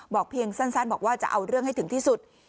เพียงสั้นบอกว่าจะเอาเรื่องให้ถึงที่สุด